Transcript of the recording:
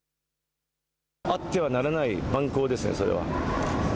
あってはならない蛮行ですね、それは。